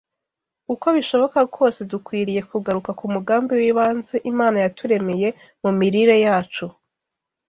Uko bishoboka kose dukwiriye kugaruka ku mugambi w’ibanze Imana yaturemeye mu mirire yacu